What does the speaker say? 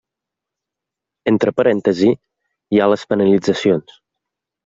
Entre parèntesis hi ha les penalitzacions.